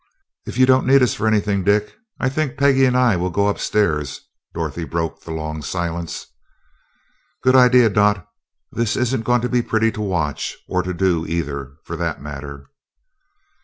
"If you don't need us for anything, Dick, I think Peggy and I will go upstairs," Dorothy broke the long silence. "Good idea, Dot. This isn't going to be pretty to watch or to do, either, for that matter."